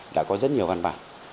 đã có rất nhiều văn bản